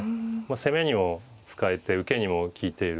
攻めにも使えて受けにも利いている。